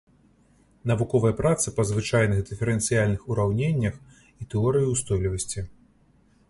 Навуковыя працы па звычайных дыферэнцыяльных ураўненнях і тэорыі ўстойлівасці.